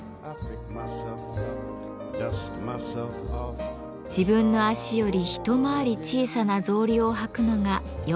自分の足より一回り小さな草履を履くのが良いとされています。